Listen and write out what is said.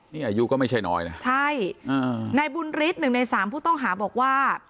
นี่อายุก็ไม่ใช่น้อยนะใช่นายบุญฤทธิ์หนึ่งในสามผู้ต้องหาบอกว่า